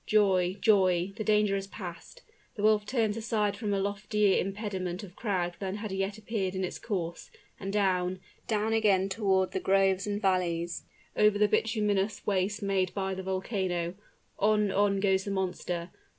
Joy! joy! the danger has passed; the wolf turns aside from a loftier impediment of crag than had yet appeared in its course: and down down again toward the groves and valleys over the bituminous waste made by the volcano on, on goes the monster.